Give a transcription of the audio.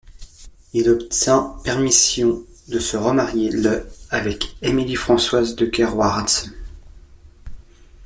Il obtient permission de se remarier le avec Émilie-Françoise de Kerouartz.